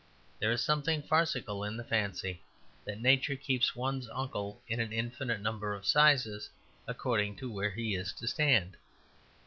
There is something farcical in the fancy that Nature keeps one's uncle in an infinite number of sizes, according to where he is to stand.